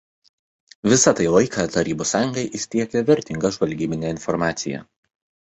Visą tai laiką Tarybų Sąjungai jis tiekė vertingą žvalgybinę informaciją.